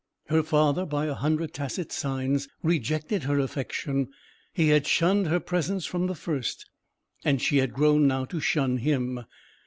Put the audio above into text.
Her father, by a hundred tacit signs, rejected her affection. He had shunned her presence from the first: and she had grown now to shun him.